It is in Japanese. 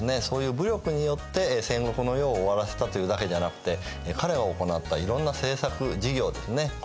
そういう武力によって戦国の世を終わらせたというだけじゃなくて彼が行ったいろんな政策事業ですね